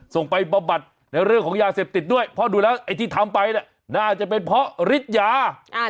ไปบำบัดในเรื่องของยาเสพติดด้วยเพราะดูแล้วไอ้ที่ทำไปน่ะน่าจะเป็นเพราะฤทธิ์ยา